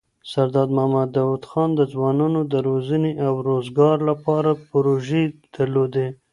سردار محمد داود خان د ځوانانو د روزنې او روزګار لپاره پروژې درلودې.